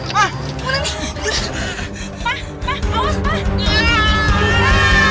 pak pak gimana ini pak